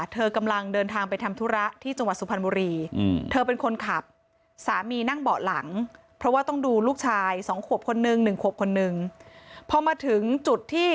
เธอกำลังเดินทางไปทำธุระที่จังหวัดสุพรรณบุรี